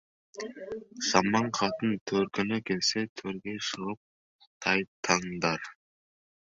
Жаман қатын төркіні келсе, төрге шығып тайтаңдар.